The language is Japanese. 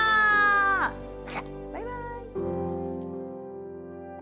バイバーイ。